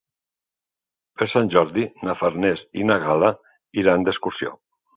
Per Sant Jordi na Farners i na Gal·la iran d'excursió.